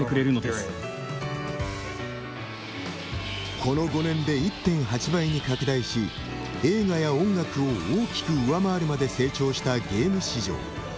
この５年で１．８倍に拡大し映画や音楽を大きく上回るまで成長したゲーム市場。